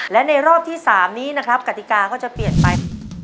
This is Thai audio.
และในรอบที่๓นี้นะครับกติกาก็จะเปลี่ยนไป